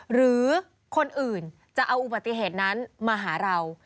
หรือคนอื่นจะเอาอุบัติเหตุนั้นมาหาเรา